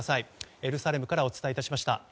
エルサレムからお伝えいたしました。